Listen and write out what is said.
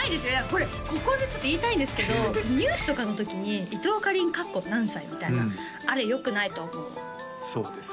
これここでちょっと言いたいんですけどニュースとかの時に「伊藤かりん」みたいなあれよくないと思うそうですね